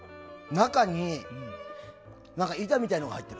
中に、板みたいなのが入ってる。